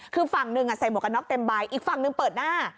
คือฝั่งหนึ่งใส่หมวกกันน็อกเต็มใบอีกฝั่งหนึ่งเปิดหน้า